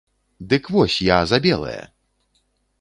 Дык вось, я за белае!